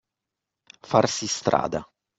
Farsi strada.